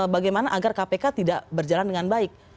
bagaimana agar kpk tidak berjalan dengan baik